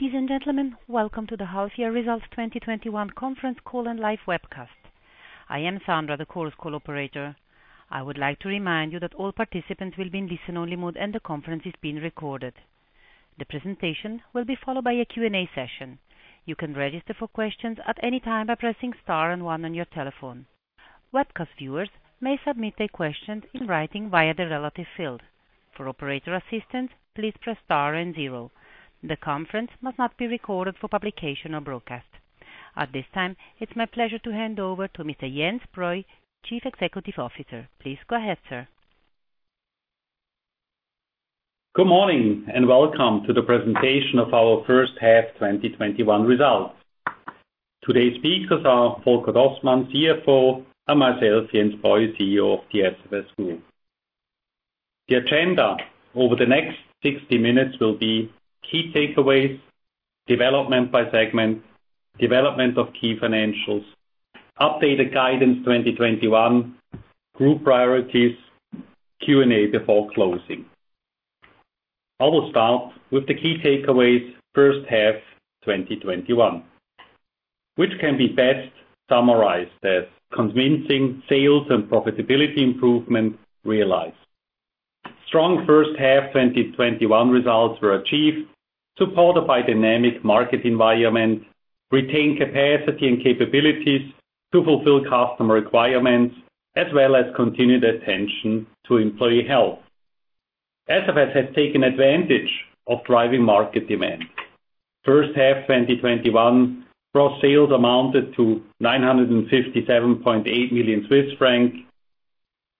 Ladies and gentlemen, welcome to the Half Year Results 2021 conference call and live webcast. I am Sandra, the conference call operator. I would like to remind you that all participants will be in listen-only mode and the conference is being recorded. The presentation will be followed by a Q&A session. You can register for questions at any time by pressing star and one on your telephone. Webcast viewers may submit their questions in writing via the relative field. For operator assistance, please press star and zero. The conference must not be recorded for publication or broadcast. At this time, it's my pleasure to hand over to Mr. Jens Breu, Chief Executive Officer. Please go ahead, sir. Good morning and welcome to the presentation of our first half 2021 results. Today's speakers are Volker Dostmann, CFO, and myself, Jens Breu, CEO of the SFS Group. The agenda over the next 60 minutes will be key takeaways, development by segment, development of key financials, updated guidance 2021, group priorities, Q&A before closing. I will start with the key takeaways first half 2021, which can be best summarized as convincing sales and profitability improvements realized. Strong first half 2021 results were achieved, supported by dynamic market environment, retained capacity and capabilities to fulfill customer requirements, as well as continued attention to employee health. SFS has taken advantage of driving market demand. First half 2021, gross sales amounted to 957.8 million Swiss francs,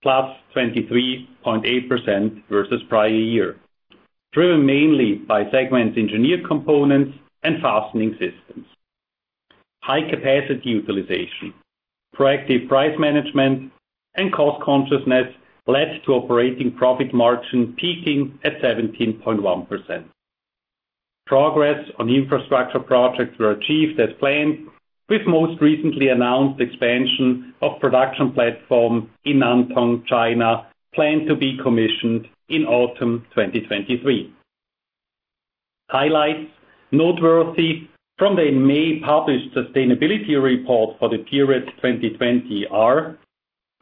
+23.8% versus prior year, driven mainly by segments Engineered Components and Fastening Systems. High capacity utilization, proactive price management, and cost consciousness led to operating profit margin peaking at 17.1%. Progress on infrastructure projects were achieved as planned, with most recently announced expansion of production platform in Nantong, China, planned to be commissioned in autumn 2023. Highlights noteworthy from the May published sustainability report for the period 2020 are.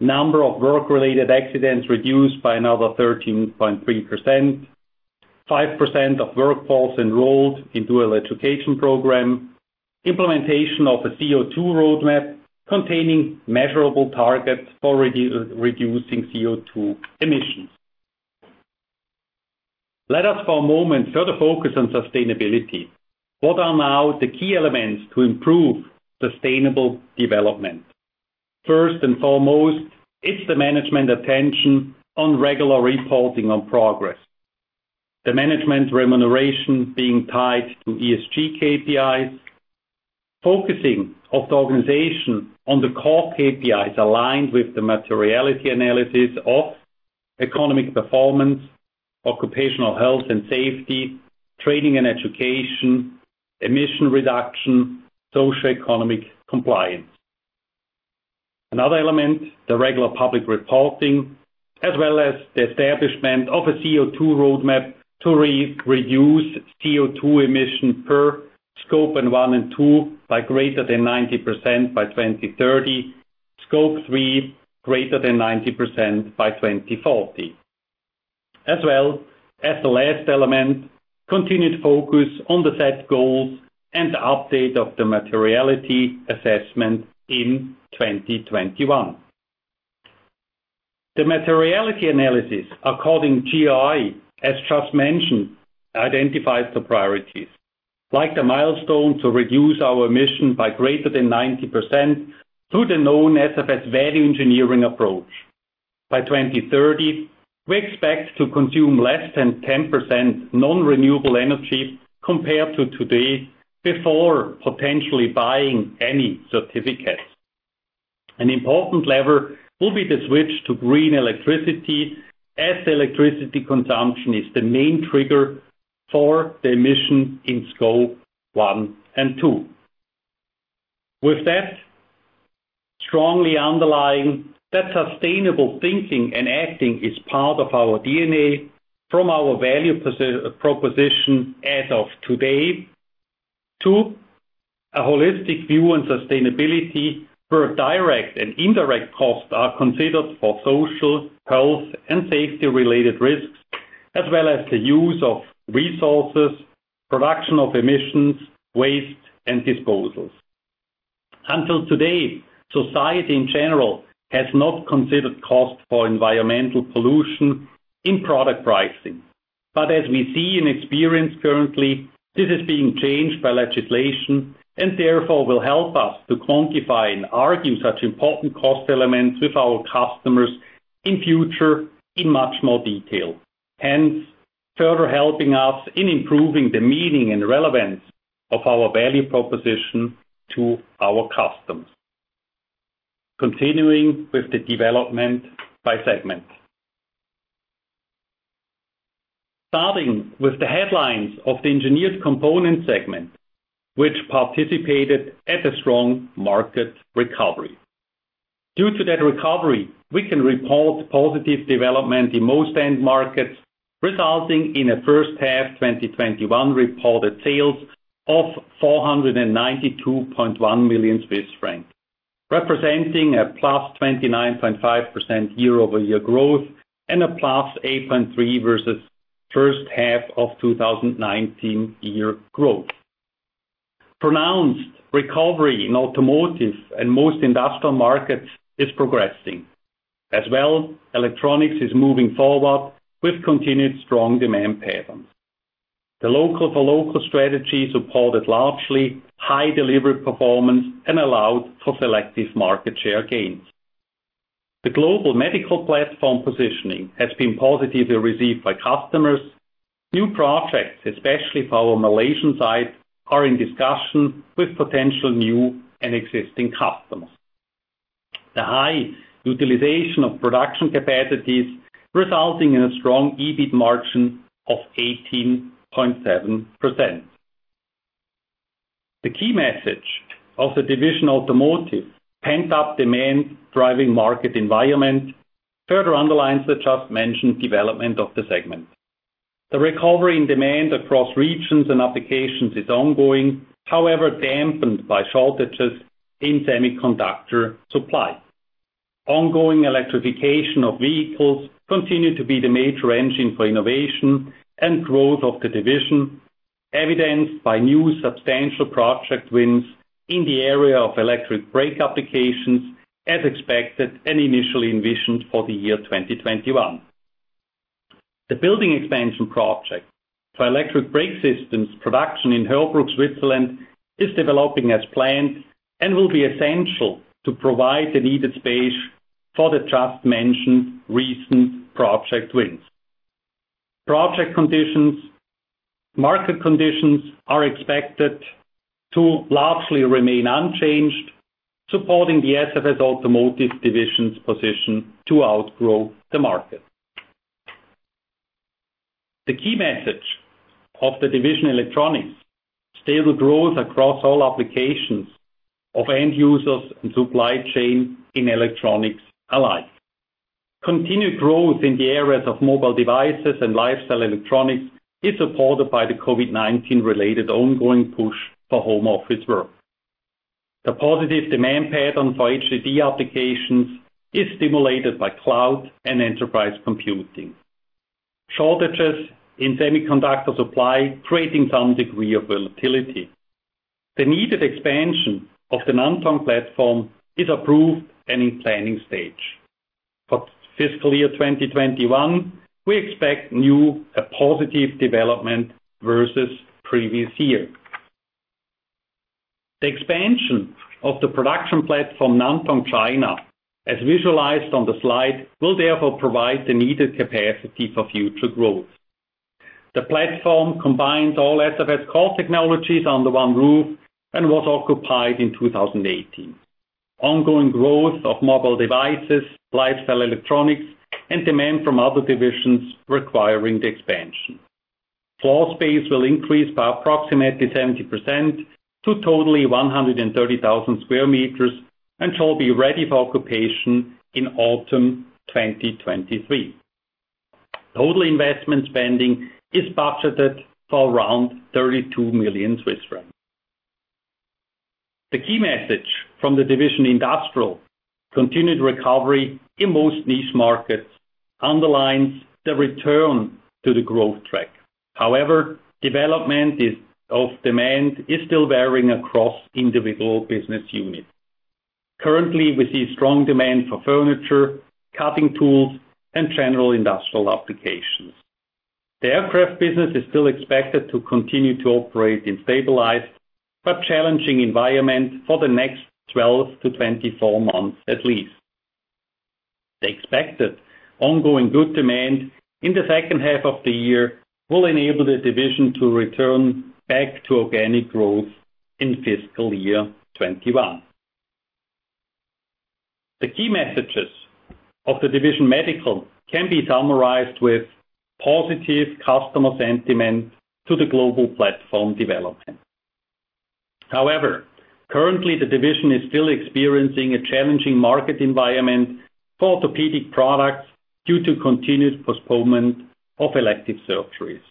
Number of work-related accidents reduced by another 13.3%. 5% of workforce enrolled in dual education program. Implementation of a CO2 roadmap containing measurable targets for reducing CO2 emissions. Let us for a moment further focus on sustainability. What are now the key elements to improve sustainable development? First and foremost, it's the management attention on regular reporting on progress. The management remuneration being tied to ESG KPIs, focusing of the organization on the core KPIs aligned with the materiality analysis of economic performance, occupational health and safety, training and education, emission reduction, socioeconomic compliance. Another element, the regular public reporting, as well as the establishment of a CO2 roadmap to reduce CO2 emissions per Scope 1 and 2 by greater than 90% by 2030. Scope 3, greater than 90% by 2040. The last element, continued focus on the set goals and the update of the materiality assessment in 2021. The materiality analysis according GRI, as just mentioned, identifies the priorities, like the milestone to reduce our emissions by greater than 90% through the known SFS value engineering approach. By 2030, we expect to consume less than 10% non-renewable energy compared to today, before potentially buying any certificates. An important lever will be the switch to green electricity, as electricity consumption is the main trigger for the emissions in Scope 1 and 2. With that, strongly underlying that sustainable thinking and acting is part of our DNA from our value proposition as of today, to a holistic view on sustainability where direct and indirect costs are considered for social, health, and safety-related risks, as well as the use of resources, production of emissions, waste, and disposals. Until today, society, in general, has not considered cost for environmental pollution in product pricing. As we see and experience currently, this is being changed by legislation and therefore will help us to quantify and argue such important cost elements with our customers in future in much more detail. Hence, further helping us in improving the meaning and relevance of our value proposition to our customers. Continuing with the development by segment. Starting with the headlines of the engineered components segment, which participated at a strong market recovery. Due to that recovery, we can report positive development in most end markets, resulting in a first half 2021 reported sales of 492.1 million Swiss francs, representing a +29.5% year-over-year growth and a +8.3% versus first half of 2019 year growth. Pronounced recovery in automotive and most industrial markets is progressing. As well, electronics is moving forward with continued strong demand patterns. The local-for-local strategy supported largely high delivery performance and allowed for selective market share gains. The global medical platform positioning has been positively received by customers. New projects, especially for our Malaysian site, are in discussion with potential new and existing customers. The high utilization of production capacities resulting in a strong EBIT margin of 18.7%. The key message of the division Automotive, pent-up demand driving market environment, further underlines the just mentioned development of the segment. The recovery in demand across regions and applications is ongoing, however, dampened by shortages in semiconductor supply. Ongoing electrification of vehicles continue to be the major engine for innovation and growth of the division, evidenced by new substantial project wins in the area of electric brake applications, as expected and initially envisioned for the year 2021. The building expansion project for electric brake systems production in Heerbrugg, Switzerland, is developing as planned and will be essential to provide the needed space for the just mentioned recent project wins. Project conditions, market conditions are expected to largely remain unchanged, supporting the SFS Automotive division's position to outgrow the market. The key message of the division Electronics, stable growth across all applications of end users and supply chain in electronics alike. Continued growth in the areas of mobile devices and lifestyle electronics is supported by the COVID-19 related ongoing push for home office work. The positive demand pattern for HDD applications is stimulated by cloud and enterprise computing. Shortages in semiconductor supply creating some degree of volatility. The needed expansion of the Nantong platform is approved and in planning stage. For fiscal year 2021, we expect new positive development versus previous year. The expansion of the production platform Nantong, China, as visualized on the slide, will therefore provide the needed capacity for future growth. The platform combines all SFS core technologies under one roof and was occupied in 2018. Ongoing growth of mobile devices, lifestyle electronics, and demand from other divisions requiring the expansion. Floor space will increase by approximately 70% to totally 130,000 sq m, and shall be ready for occupation in autumn 2023. Total investment spending is budgeted for around 32 million Swiss francs. The key message from the division Industrial, continued recovery in most niche markets underlines the return to the growth track. Development of demand is still varying across individual business units. Currently, we see strong demand for furniture, cutting tools, and general industrial applications. The aircraft business is still expected to continue to operate in stabilized, but challenging environment for the next 12-24 months at least. The expected ongoing good demand in the second half of the year will enable the division to return back to organic growth in fiscal year 2021. The key messages of the division Medical can be summarized with positive customer sentiment to the global platform development. Currently the division is still experiencing a challenging market environment for orthopedic products due to continued postponement of elective surgeries.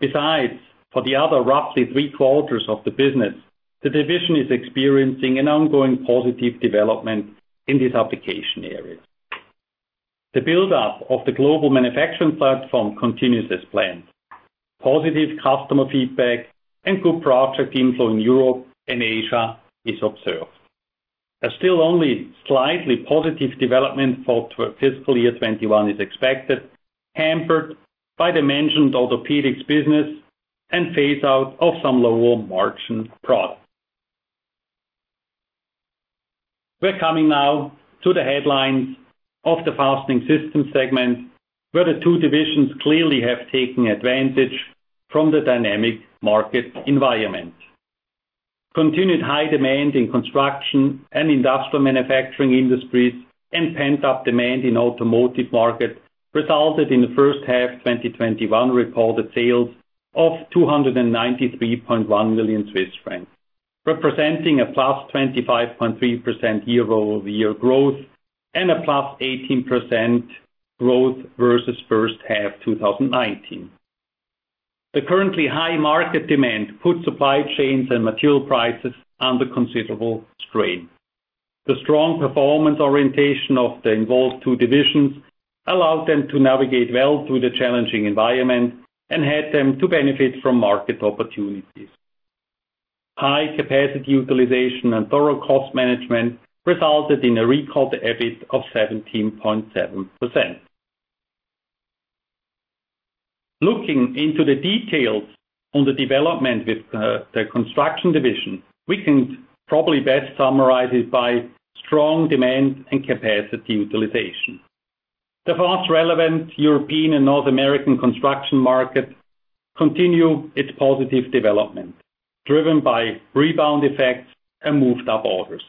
Besides, for the other roughly three-quarters of the business, the division is experiencing an ongoing positive development in these application areas. The buildup of the global manufacturing platform continues as planned. Positive customer feedback and good project inflow in Europe and Asia is observed, but still only slightly positive development for fiscal year 2021 is expected, hampered by the mentioned orthopedics business and phase out of some lower margin products. We're coming now to the headlines of the fastening system segment, where the two divisions clearly have taken advantage from the dynamic market environment. Continued high demand in construction and industrial manufacturing industries and pent-up demand in automotive market resulted in the H1 2021 reported sales of 293.1 million Swiss francs, representing a +25.3% year-over-year growth and a +18% growth versus H1 2019. The currently high market demand put supply chains and material prices under considerable strain. The strong performance orientation of the involved two divisions allowed them to navigate well through the challenging environment and helped them to benefit from market opportunities. High capacity utilization and thorough cost management resulted in a record EBIT of 17.7%. Looking into the details on the development with the Construction division, we can probably best summarize it by strong demand and capacity utilization. The fast relevant European and North American construction market continue its positive development, driven by rebound effects and moved up orders.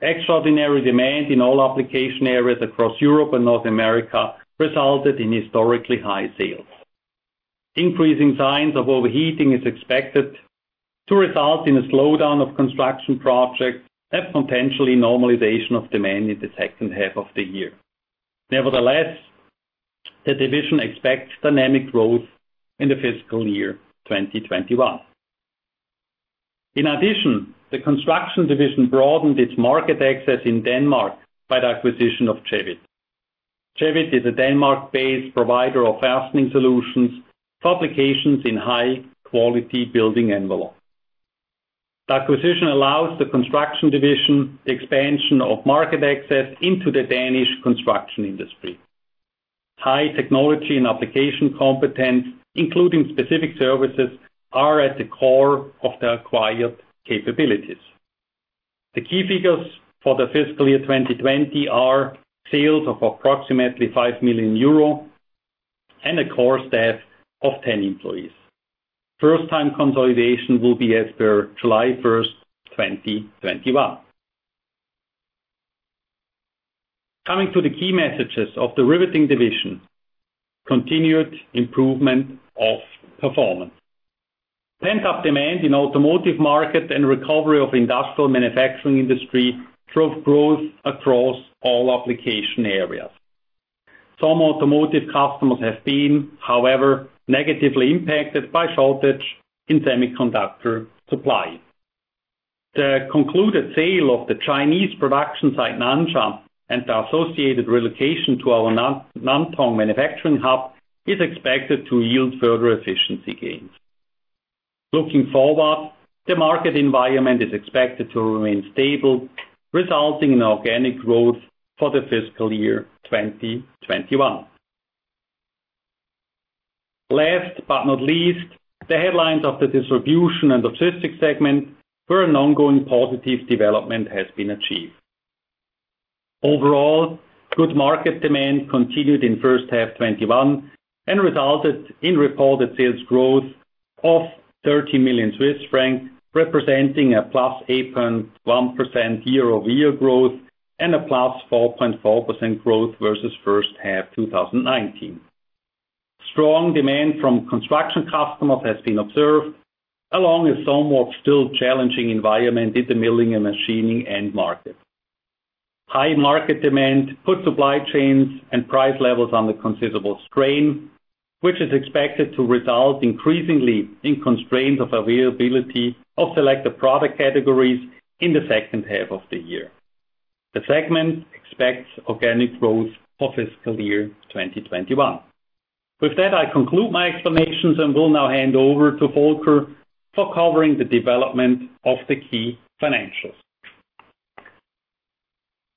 Extraordinary demand in all application areas across Europe and North America resulted in historically high sales. Increasing signs of overheating is expected to result in a slowdown of construction projects and potentially normalization of demand in the second half of the year. Nevertheless, the division expects dynamic growth in the fiscal year 2021. In addition, the Construction division broadened its market access in Denmark by the acquisition of Jevith. Jevith is a Denmark-based provider of fastening solutions for applications in high-quality building envelope. The acquisition allows the Construction division expansion of market access into the Danish construction industry. High technology and application competence, including specific services, are at the core of the acquired capabilities. The key figures for the fiscal year 2020 are sales of approximately 5 million euro and a core staff of 10 employees. First-time consolidation will be as per July 1st, 2021. Coming to the key messages of the Riveting division, continued improvement of performance. Pent-up demand in automotive market and recovery of industrial manufacturing industry drove growth across all application areas. Some automotive customers have been, however, negatively impacted by shortage in semiconductor supply. The concluded sale of the Chinese production site, Nansha, and the associated relocation to our Nantong manufacturing hub is expected to yield further efficiency gains. Looking forward, the market environment is expected to remain stable, resulting in organic growth for the fiscal year 2021. Last but not least, the headlines of the Distribution and Logistics segment where an ongoing positive development has been achieved. Overall, good market demand continued in first half 2021 and resulted in reported sales growth of 30 million Swiss francs, representing a +8.1% year-over-year growth and a +4.4% growth versus first half 2019. Strong demand from construction customers has been observed, along with somewhat still challenging environment in the milling and machining end market. High market demand put supply chains and price levels under considerable strain, which is expected to result increasingly in constraints of availability of selected product categories in the second half of the year. The segment expects organic growth for fiscal year 2021. With that, I conclude my explanations and will now hand over to Volker for covering the development of the key financials.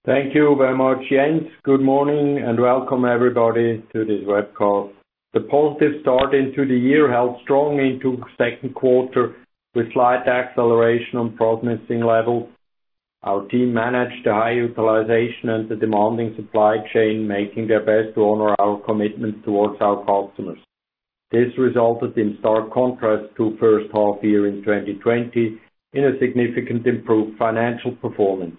Thank you very much, Jens. Good morning and welcome everybody to this web call. The positive start into the year held strong into second quarter with slight acceleration on promising levels. Our team managed a high utilization and the demanding supply chain, making their best to honor our commitments towards our customers. This resulted in stark contrast to first half year in 2020 in a significant improved financial performance.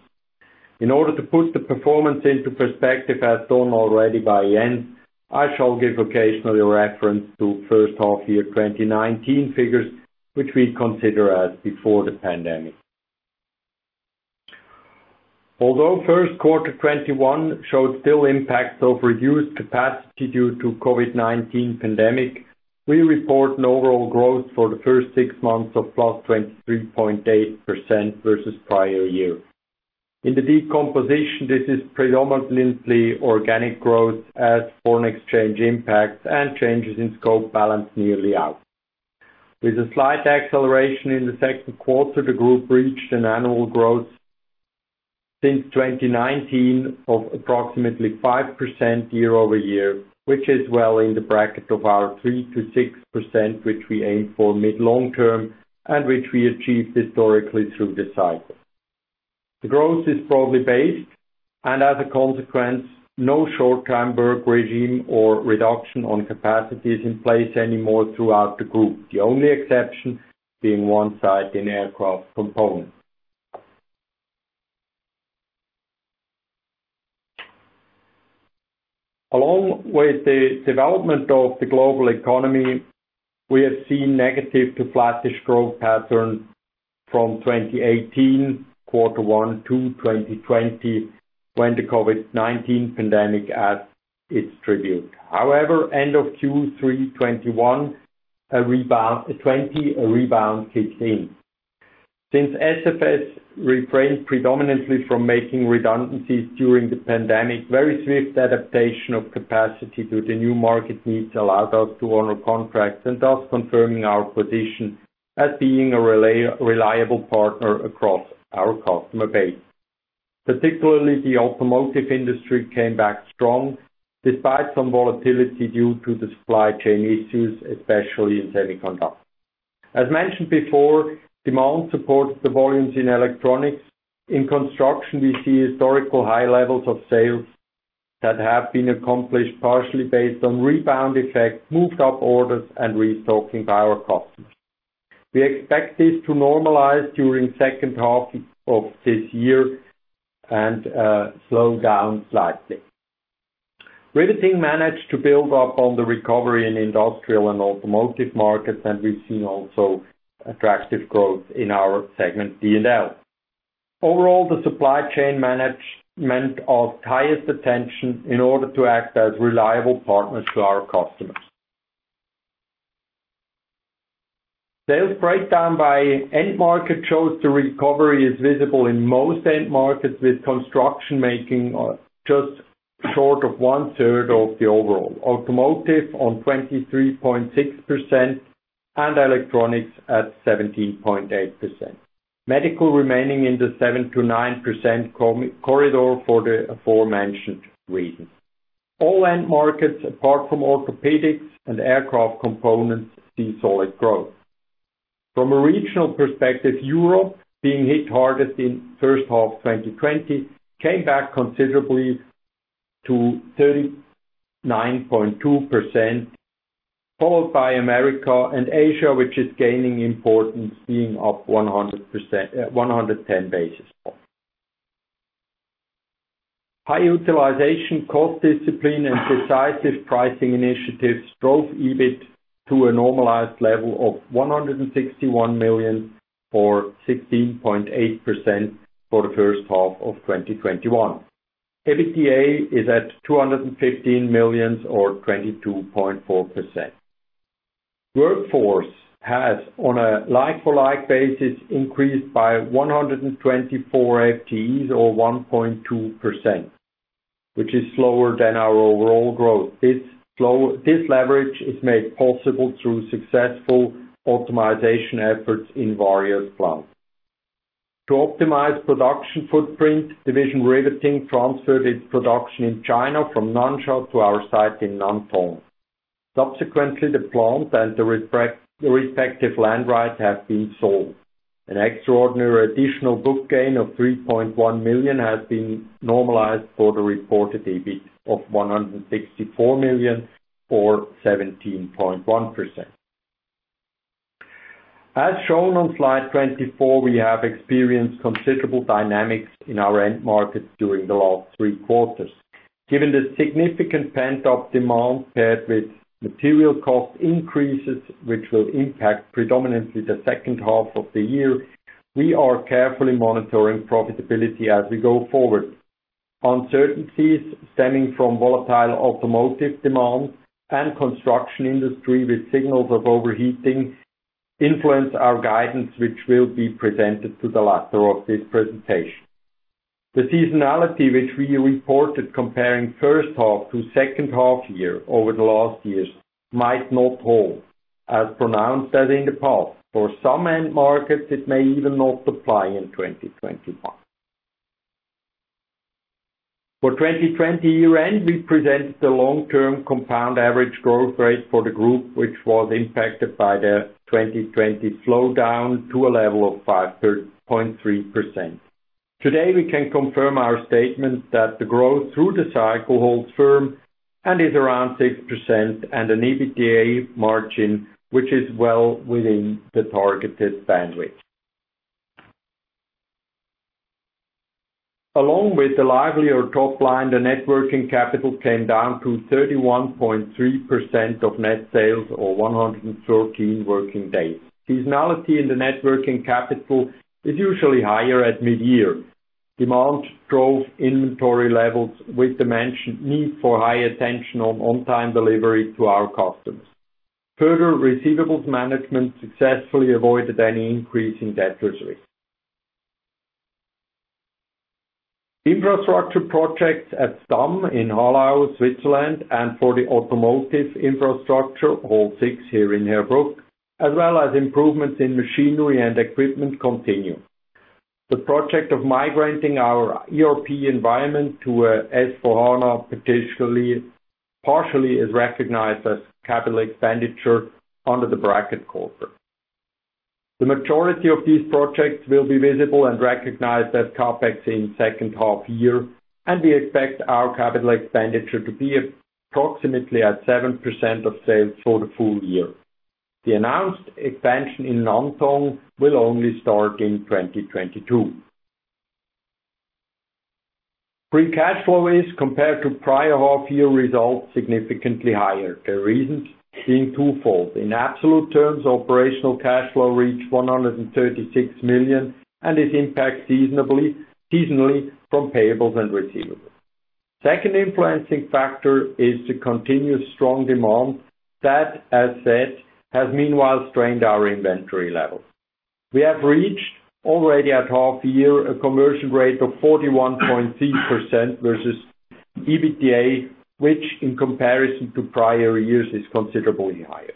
In order to put the performance into perspective, as done already by Jens, I shall give occasionally a reference to first half year 2019 figures, which we consider as before the pandemic. Although first quarter 2021 showed still impacts of reduced capacity due to COVID-19 pandemic, we report an overall growth for the first six months of +23.8% versus prior year. In the decomposition, this is predominantly organic growth as foreign exchange impacts and changes in scope balance nearly out. With a slight acceleration in the second quarter, the group reached an annual growth since 2019 of approximately 5% year-over-year, which is well in the bracket of our 3%-6%, which we aim for mid long term and which we achieved historically through this cycle. As a consequence, no short-time work regime or reduction on capacity is in place anymore throughout the group. The only exception being one site in Aircraft Components. Along with the development of the global economy, we have seen negative to flattish growth patterns from 2018 Q1 to 2020, when the COVID-19 pandemic adds its tribute. However, end of Q3 2020, a rebound kicks in. Since SFS refrained predominantly from making redundancies during the pandemic, very swift adaptation of capacity to the new market needs allowed us to honor contracts, and thus confirming our position as being a reliable partner across our customer base. Particularly the automotive industry came back strong despite some volatility due to the supply chain issues, especially in semiconductors. As mentioned before, demand supports the volumes in electronics. In construction, we see historical high levels of sales that have been accomplished partially based on rebound effect, moved up orders, and restocking by our customers. We expect this to normalize during second half of this year and slow down slightly. Riveting managed to build up on the recovery in industrial and automotive markets, and we've seen also attractive growth in our segment D&L. Overall, the supply chain management of highest attention in order to act as reliable partners to our customers. Sales breakdown by end market shows the recovery is visible in most end markets, with construction making just short of one third of the overall, automotive on 23.6%, and electronics at 17.8%. Medical remaining in the 7%-9% corridor for the aforementioned reasons. All end markets, apart from orthopedics and aircraft components, see solid growth. From a regional perspective, Europe, being hit hardest in H1 2020, came back considerably to 39.2%, followed by America and Asia, which is gaining importance, being up 110 basis points. High utilization, cost discipline, and decisive pricing initiatives drove EBIT to a normalized level of 161 million or 16.8% for H1 2021. EBITDA is at 215 million or 22.4%. Workforce has, on a like-for-like basis, increased by 124 FTEs or 1.2%, which is slower than our overall growth. This leverage is made possible through successful optimization efforts in various plants. To optimize production footprint, Division Riveting transferred its production in China from Nansha to our site in Nantong. Subsequently, the plant and the respective land right have been sold. An extraordinary additional book gain of 3.1 million has been normalized for the reported EBIT of 164 million or 17.1%. As shown on slide 24, we have experienced considerable dynamics in our end markets during the last three quarters. Given the significant pent-up demand paired with material cost increases, which will impact predominantly the second half of the year, we are carefully monitoring profitability as we go forward. Uncertainties stemming from volatile automotive demand and construction industry with signals of overheating influence our guidance, which will be presented to the latter of this presentation. The seasonality which we reported comparing first half to second half year over the last years might not hold as pronounced as in the past. For some end markets, it may even not apply in 2021. For 2020 year-end, we presented the long-term compound average growth rate for the group, which was impacted by the 2020 slowdown to a level of 5.3%. Today, we can confirm our statement that the growth through the cycle holds firm and is around 6% and an EBITDA margin, which is well within the targeted bandwidth. Along with the livelier top line, the net working capital came down to 31.3% of net sales or 113 working days. Seasonality in the net working capital is usually higher at mid-year. Demand drove inventory levels with the mentioned need for high attention on on-time delivery to our customers. Further receivables management successfully avoided any increase in debtors risk. Infrastructure projects at Stamm in Hallau, Switzerland, and for the automotive infrastructure, Hall 6 here in Heerbrugg, as well as improvements in machinery and equipment continue. The project of migrating our ERP environment to S/4HANA partially is recognized as capital expenditure under the bracket corporate. The majority of these projects will be visible and recognized as CapEx in second half year, and we expect our capital expenditure to be approximately at 7% of sales for the full year. The announced expansion in Nantong will only start in 2022. Free cash flow is, compared to prior half-year results, significantly higher. The reasons being twofold. In absolute terms, operational cash flow reached 136 million, and is impacted seasonally from payables and receivables. Second influencing factor is the continuous strong demand that, as said, has meanwhile strained our inventory levels. We have reached already at half year a conversion rate of 41.3% versus EBITDA, which in comparison to prior years is considerably higher.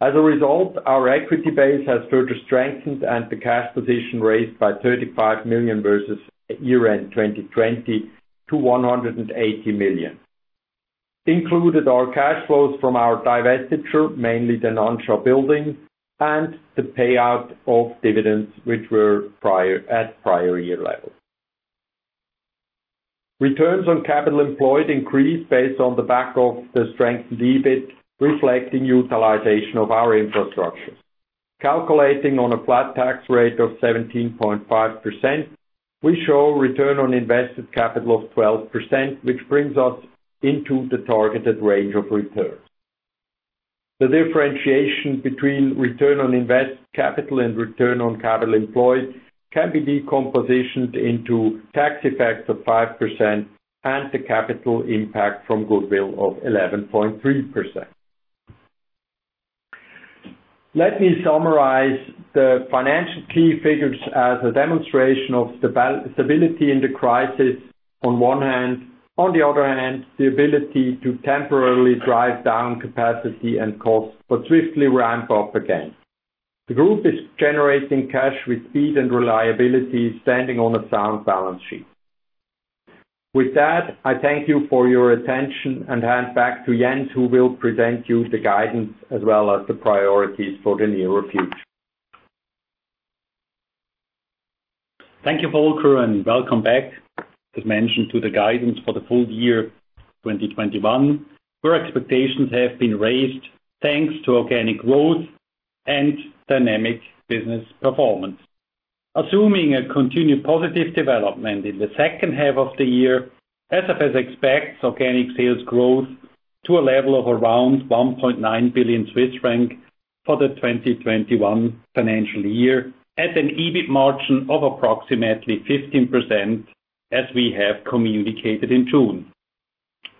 As a result, our equity base has further strengthened and the cash position raised by 35 million versus year-end 2020 to 180 million. Included are cash flows from our divestiture, mainly the Nansha building, and the payout of dividends, which were at prior year level. Returns on capital employed increased based on the back of the strengthened EBIT, reflecting utilization of our infrastructure. Calculating on a flat tax rate of 17.5%, we show return on invested capital of 12%, which brings us into the targeted range of returns. The differentiation between return on invested capital and return on capital employed can be decomposed into tax effects of 5% and the capital impact from goodwill of 11.3%. Let me summarize the financial key figures as a demonstration of stability in the crisis on one hand, on the other hand, the ability to temporarily drive down capacity and costs, but swiftly ramp up again. The group is generating cash with speed and reliability, standing on a sound balance sheet. With that, I thank you for your attention and hand back to Jens, who will present you the guidance as well as the priorities for the near future. Thank you, Volker, and welcome back. As mentioned to the guidance for the full year 2021, where expectations have been raised thanks to organic growth and dynamic business performance. Assuming a continued positive development in the second half of the year, SFS expects organic sales growth to a level of around 1.9 billion Swiss franc for the 2021 financial year at an EBIT margin of approximately 15%, as we have communicated in June.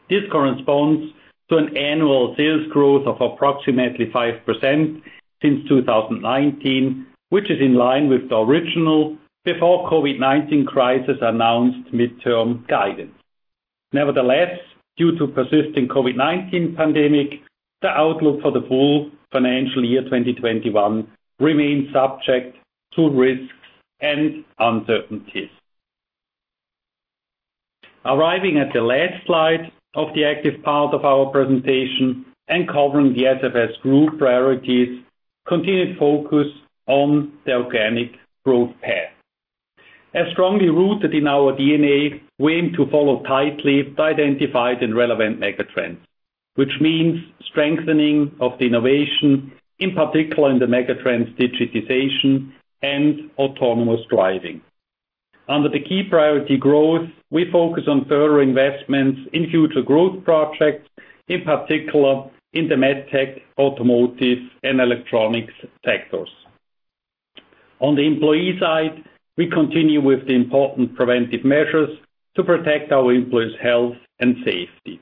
This corresponds to an annual sales growth of approximately 5% since 2019, which is in line with the original before COVID-19 crisis announced midterm guidance. Nevertheless, due to persisting COVID-19 pandemic, the outlook for the full financial year 2021 remains subject to risks and uncertainties. Arriving at the last slide of the active part of our presentation and covering the SFS Group priorities, continued focus on the organic growth path. As strongly rooted in our DNA, we aim to follow tightly the identified and relevant mega trends. Which means strengthening of the innovation, in particular in the mega trends, digitization and autonomous driving. Under the key priority growth, we focus on further investments in future growth projects, in particular in the MedTech, automotive, and electronics sectors. On the employee side, we continue with the important preventive measures to protect our employees' health and safety.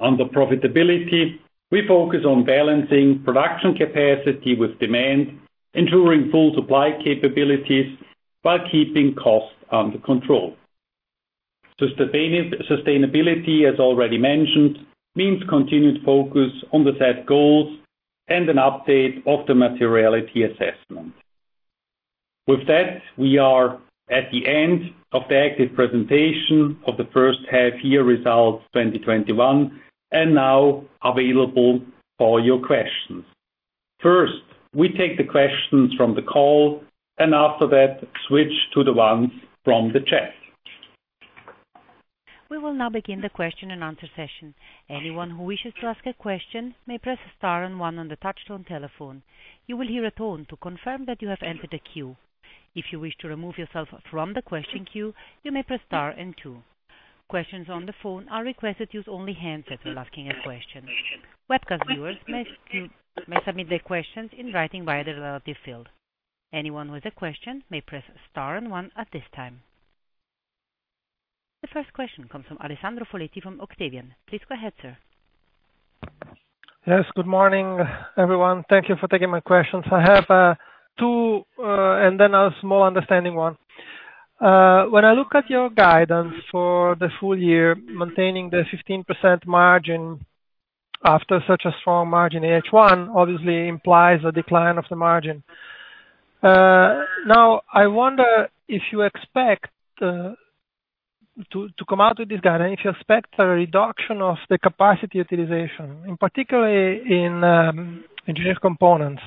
Under profitability, we focus on balancing production capacity with demand, ensuring full supply capabilities while keeping costs under control. Sustainability, as already mentioned, means continued focus on the set goals and an update of the materiality assessment. With that, we are at the end of the active presentation of the first half year results 2021, and now available for your questions. First, we take the questions from the call, and after that, switch to the ones from the chat. We will now begin the question and answer session. Anyone who wishes to ask a question may press star and one on the touchtone telephone. You will hear a tone to confirm that you have entered the queue. If you wish to remove yourself from the question queue, you may press star and two. Questions on the phone are requested to use only handsets when asking a question. Webcast viewers may submit their questions in writing via the relevant field. Anyone with a question may press star and one at this time. The first question comes from Alessandro Foletti from Octavian. Please go ahead, sir. Yes. Good morning, everyone. Thank you for taking my questions. I have two, then a small understanding one. When I look at your guidance for the full year, maintaining the 15% margin after such a strong margin in H1 obviously implies a decline of the margin. I wonder if you expect to come out with this guidance, if you expect a reduction of the capacity utilization, in particular in engineered components.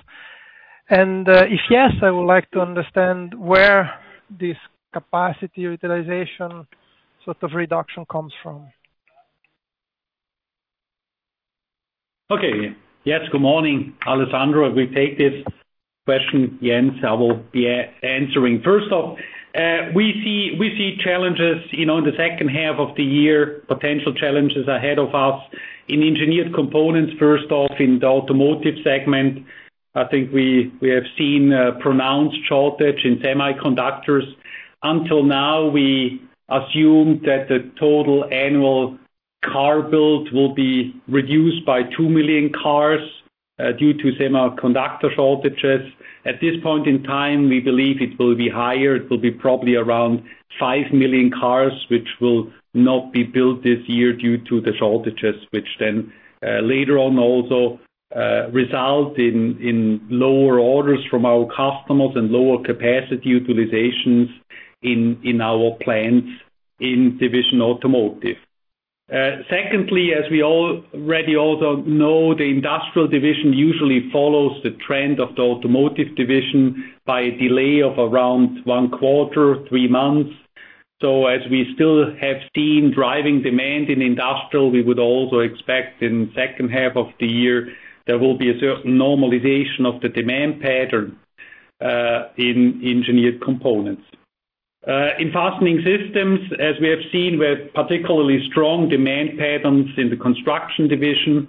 If yes, I would like to understand where this capacity utilization sort of reduction comes from. Okay. Yes, good morning, Alessandro. We take this question, Jens, I will be answering. First off, we see challenges in the second half of the year, potential challenges ahead of us in engineered components. First off, in the automotive segment, I think we have seen a pronounced shortage in semiconductors. Until now, we assumed that the total annual car build will be reduced by 2 million cars due to semiconductor shortages. At this point in time, we believe it will be higher. It will be probably around 5 million cars which will not be built this year due to the shortages, which then later on also result in lower orders from our customers and lower capacity utilizations in our plants in division automotive. Secondly, as we already also know, the industrial division usually follows the trend of the automotive division by a delay of around one quarter, three months. As we still have seen driving demand in Industrial, we would also expect in the second half of the year, there will be a certain normalization of the demand pattern, in engineered components. In fastening systems, as we have seen, we have particularly strong demand patterns in the construction division.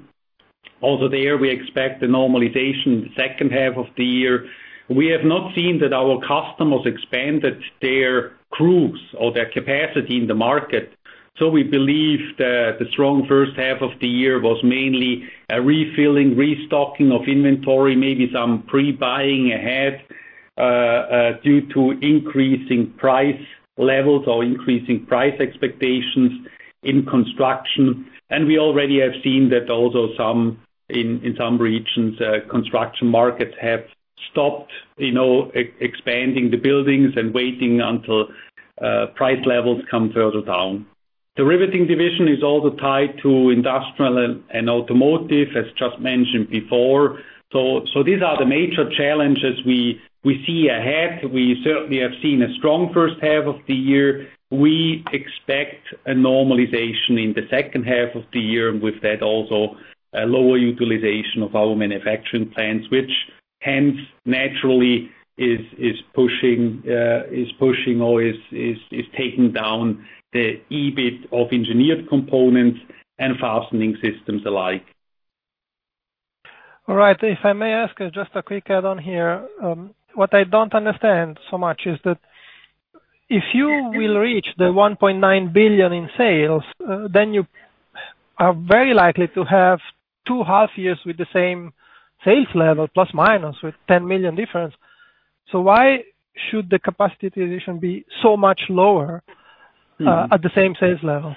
Also there, we expect the normalization in the second half of the year. We have not seen that our customers expanded their crews or their capacity in the market. We believe the strong first half of the year was mainly a refilling, restocking of inventory, maybe some pre-buying ahead, due to increasing price levels or increasing price expectations in construction. We already have seen that also in some regions, construction markets have stopped expanding the buildings and waiting until price levels come further down. The riveting division is also tied to industrial and automotive, as just mentioned before. These are the major challenges we see ahead. We certainly have seen a strong first half of the year. We expect a normalization in the second half of the year, and with that also a lower utilization of our manufacturing plants, which hence naturally is pushing or is taking down the EBIT of engineered components and fastening systems alike. All right. If I may ask just a quick add-on here. What I don't understand so much is that if you will reach the 1.9 billion in sales, then you are very likely to have two half years with the same sales level, plus, minus with 10 million difference. Why should the capacity utilization be so much lower at the same sales level?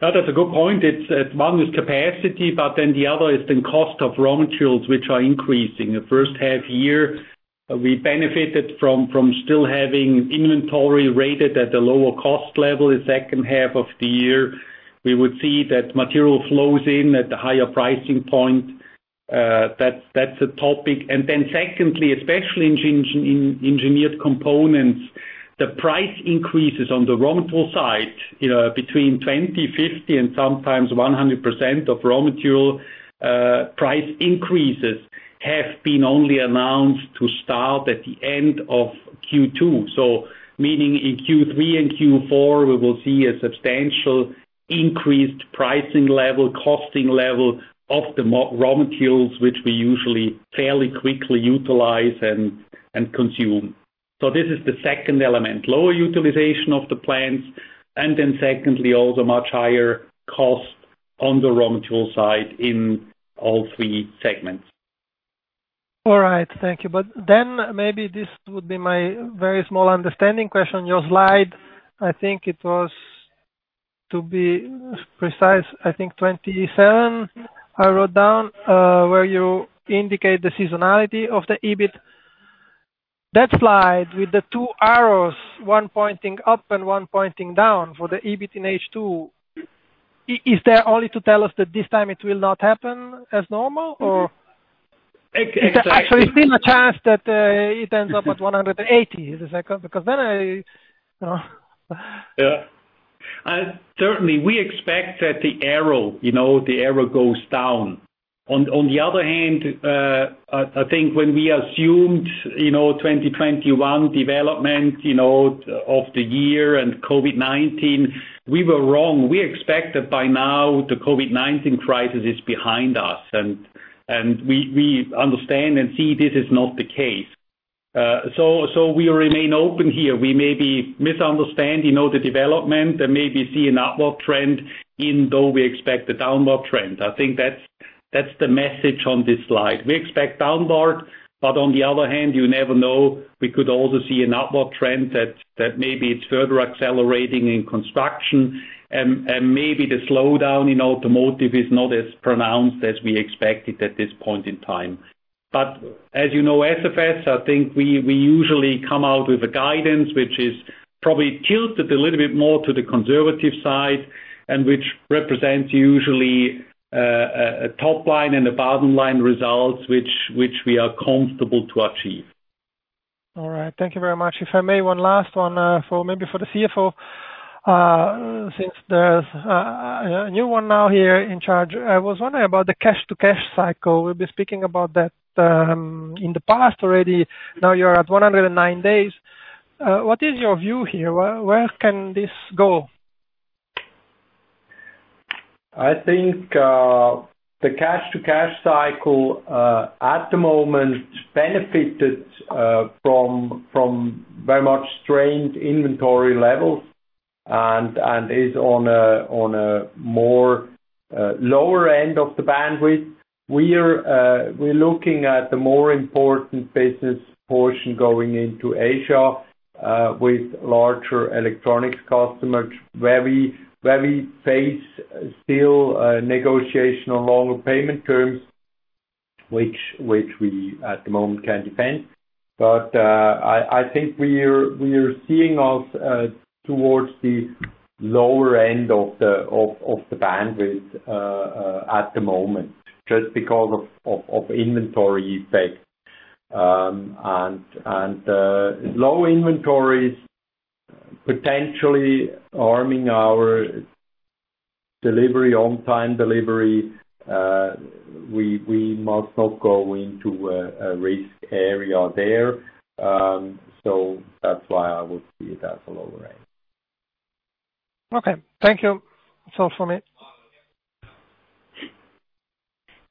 That's a good point. It's one is capacity, the other is the cost of raw materials, which are increasing. The first half-year we benefited from still having inventory rated at a lower cost level. The second half of the year, we would see that material flows in at a higher pricing point. That's a topic. Secondly, especially in engineered components, the price increases on the raw material side between 20%, 50%, and sometimes 100% of raw material, price increases have been only announced to start at the end of Q2. Meaning in Q3 and Q4, we will see a substantial increased pricing level, costing level of the raw materials, which we usually fairly quickly utilize and consume. This is the second element, lower utilization of the plants, secondly, also much higher cost on the raw material side in all three segments. All right, thank you. Maybe this would be my very small understanding question. Your slide, I think it was to be precise, I think 27 I wrote down, where you indicate the seasonality of the EBIT. That slide with the two arrows, one pointing up and one pointing down for the EBIT in H2. Is that only to tell us that this time it will not happen as normal? Is there actually still a chance that it ends up at 180? Yeah. Certainly, we expect that the arrow goes down. I think when we assumed 2021 development of the year and COVID-19, we were wrong. We expect that by now, the COVID-19 crisis is behind us, and we understand and see this is not the case. We remain open here. We may be misunderstanding the development and maybe see an upward trend even though we expect a downward trend. I think that's the message on this slide. We expect downward, but on the other hand, you never know. We could also see an upward trend that maybe it's further accelerating in construction, and maybe the slowdown in automotive is not as pronounced as we expected at this point in time. As you know, SFS, I think we usually come out with a guidance, which is probably tilted a little bit more to the conservative side, and which represents usually a top line and a bottom line results, which we are comfortable to achieve. All right. Thank you very much. If I may, one last one, maybe for the CFO, since there's a new one now here in charge. I was wondering about the cash-to-cash cycle. We've been speaking about that in the past already. Now you're at 109 days. What is your view here? Where can this go? I think the cash-to-cash cycle at the moment benefited from very much strained inventory levels and is on a more lower end of the bandwidth. We're looking at the more important business portion going into Asia, with larger electronics customers where we face still negotiation on longer payment terms, which we, at the moment, can defend. I think we're seeing us towards the lower end of the bandwidth at the moment, just because of inventory effect. Low inventories potentially harming our on-time delivery. We must not go into a risk area there. That's why I would see it as a lower end. Okay. Thank you. That's all from me.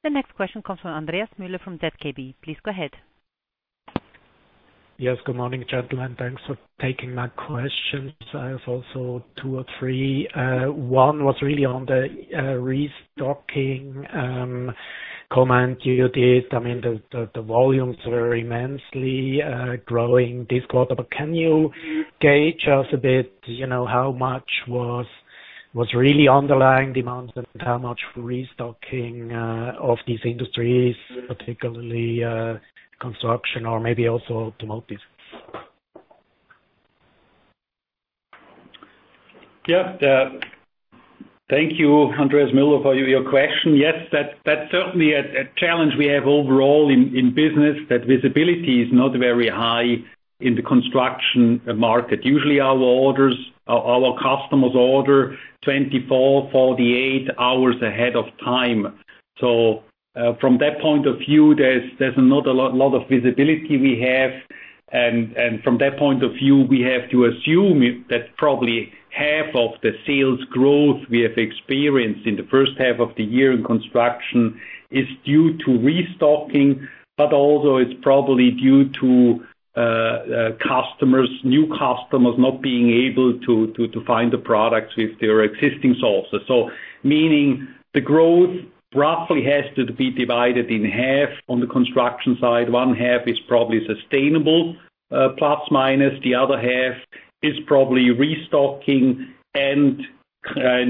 The next question comes from Andreas Müller from ZKB. Please go ahead. Yes, good morning, gentlemen. Thanks for taking my questions. I have also two or three. One was really on the restocking comment you did. I mean, the volumes were immensely growing this quarter. Can you gauge us a bit, how much was really underlying demand and how much restocking of these industries, particularly construction or maybe also automotive? Yeah. Thank you, Andreas Müller for your question. Yes, that's certainly a challenge we have overall in business, that visibility is not very high in the construction market. Usually, our customers order 24, 48 hours ahead of time. From that point of view, there's not a lot of visibility we have. From that point of view, we have to assume that probably half of the sales growth we have experienced in the first half of the year in construction is due to restocking, but also it's probably due to new customers not being able to find the products with their existing sources. Meaning the growth roughly has to be divided in half on the construction side. One half is probably sustainable, plus, minus. The other half is probably restocking and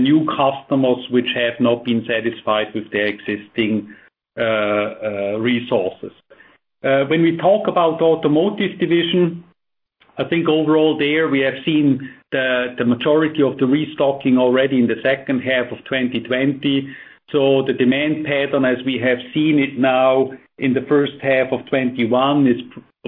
new customers which have not been satisfied with their existing resources. When we talk about automotive division, I think overall there we have seen the majority of the restocking already in the second half of 2020. The demand pattern as we have seen it now in the first half of 2021 is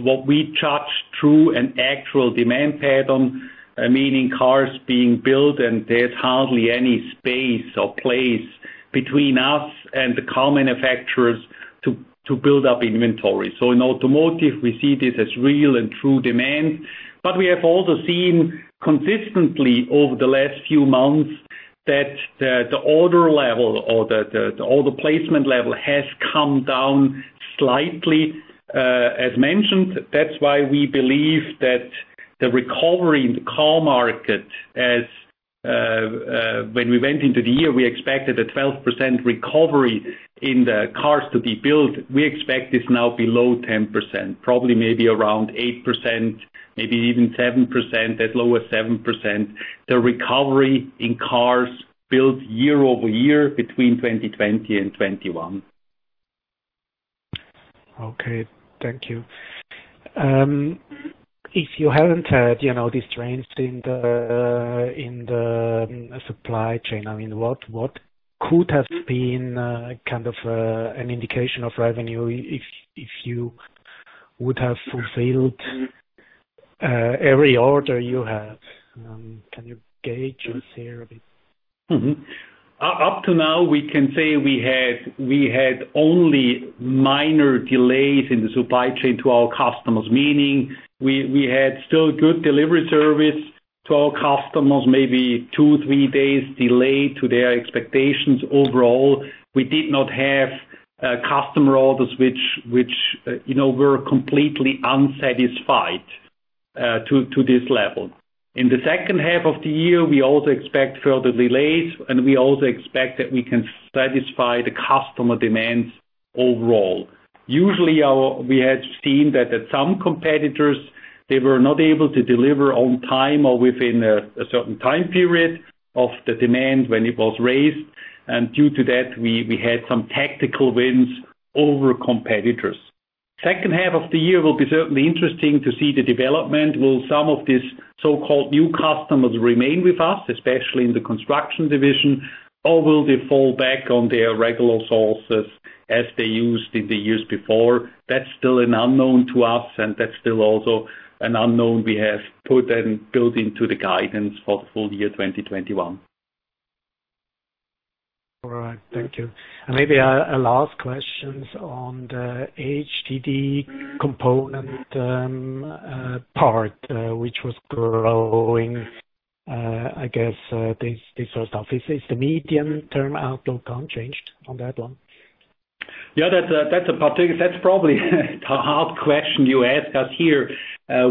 what we judge true and actual demand pattern, meaning cars being built and there's hardly any space or place between us and the car manufacturers to build up inventory. In automotive, we see this as real and true demand. We have also seen consistently over the last few months that the order level or the order placement level has come down slightly. As mentioned, that's why we believe that the recovery in the car market when we went into the year, we expected a 12% recovery in the cars to be built. We expect this now below 10%, probably maybe around 8%, maybe even 7%, as low as 7%, the recovery in cars built year-over-year between 2020 and 2021. Okay. Thank you. If you haven't had these trends in the supply chain, what could have been an indication of revenue if you would have fulfilled every order you had? Can you gauge us here a bit? Up to now, we can say we had only minor delays in the supply chain to our customers, meaning we had still good delivery service to our customers, maybe two to three days delay to their expectations overall. We did not have customer orders which were completely unsatisfied to this level. In the second half of the year, we also expect further delays, we also expect that we can satisfy the customer demands overall. Usually, we had seen that at some competitors, they were not able to deliver on time or within a certain time period of the demand when it was raised. Due to that, we had some tactical wins over competitors. Second half of the year will be certainly interesting to see the development. Will some of these so-called new customers remain with us, especially in the construction division, or will they fall back on their regular sources as they used in the years before? That's still an unknown to us, and that's still also an unknown we have put and built into the guidance for full year 2021. All right, thank you. Maybe a last question on the HDD component part, which was growing, I guess, this first half. Is the medium-term outlook unchanged on that one? That's probably a hard question you ask us here.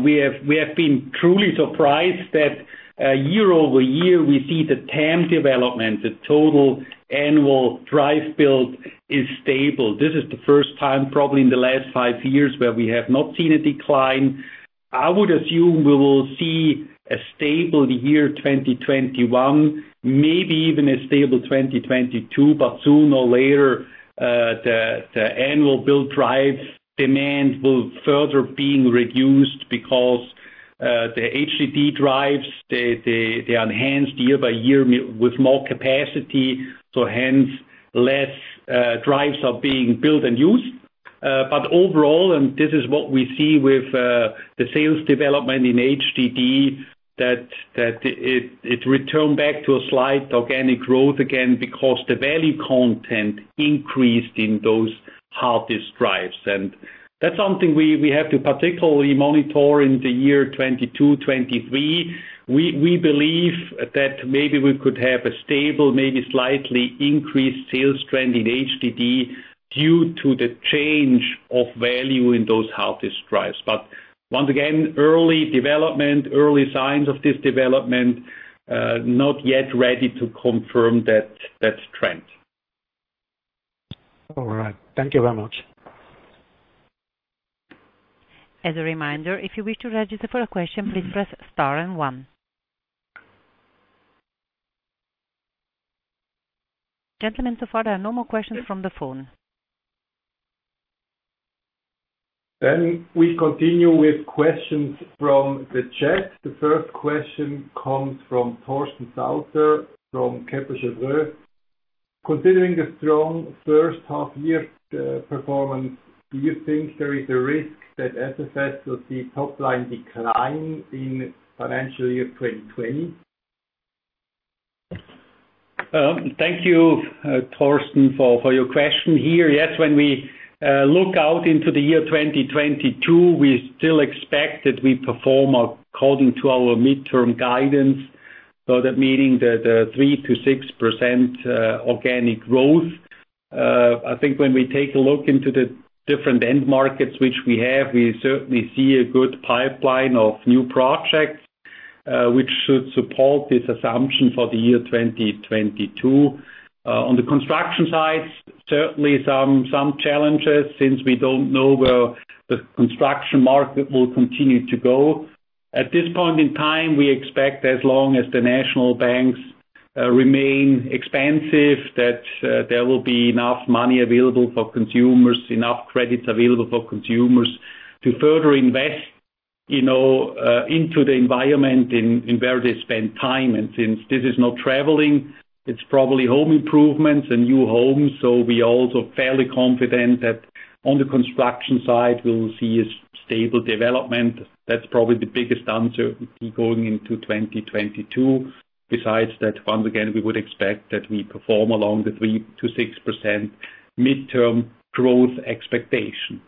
We have been truly surprised that year-over-year, we see the TAM development, the total annual drive build is stable. This is the first time, probably in the last five years, where we have not seen a decline. I would assume we will see a stable year 2021, maybe even a stable 2022, sooner or later, the annual build drives demand will further being reduced because the HDD drives, they enhance year-by-year with more capacity, so hence less drives are being built and used. Overall, and this is what we see with the sales development in HDD, that it returned back to a slight organic growth again because the value content increased in those hard disk drives. That's something we have to particularly monitor in the year 2022, 2023. We believe that maybe we could have a stable, maybe slightly increased sales trend in HDD due to the change of value in those hard disk drives. Once again, early development, early signs of this development, not yet ready to confirm that trend. All right. Thank you very much. As a reminder, if you wish to register for a question, please press star and one. Gentlemen, so far, there are no more questions from the phone. We continue with questions from the chat. The first question comes from Torsten Sauter from Kepler Cheuvreux. Considering the strong first half year performance, do you think there is a risk that SFS will see top line decline in financial year 2020? Thank you, Torsten, for your question here. Yes, when we look out into the year 2022, we still expect that we perform according to our midterm guidance. That meaning the 3%-6% organic growth. I think when we take a look into the different end markets which we have, we certainly see a good pipeline of new projects, which should support this assumption for the year 2022. On the construction side, certainly some challenges since we don't know where the construction market will continue to go. At this point in time, we expect as long as the national banks remain expansive, that there will be enough money available for consumers, enough credits available for consumers to further invest into the environment and where they spend time. Since this is not traveling, it's probably home improvements and new homes. We are also fairly confident that on the construction side, we will see a stable development. That's probably the biggest answer going into 2022. Besides that, once again, we would expect that we perform along the 3%-6% midterm growth expectation.